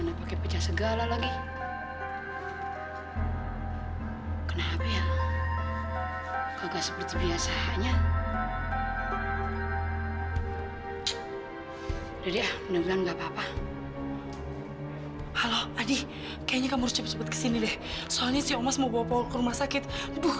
ngelen ngelemari ngelemari mami belum mati